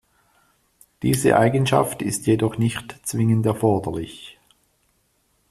Diese Eigenschaft ist jedoch nicht zwingend erforderlich.